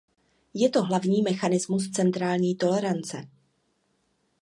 Je to hlavní mechanismus centrální tolerance.